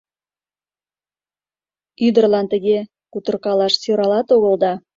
Ӱдырлан тыге кутыркалаш сӧралат огыл да...